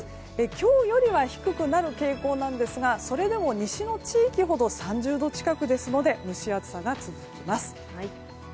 今日よりは低くなる傾向なんですがそれでも西の地域ほど３０度近くですので蒸し暑さが続きます。